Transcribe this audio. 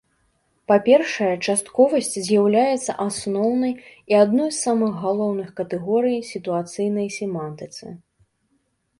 Па-першае, частковасць з'яўляецца асноўнай і адной з самых галоўных катэгорый сітуацыйнай семантыцы.